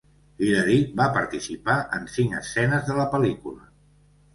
Hillary va participar en cinc escenes de la pel·lícula.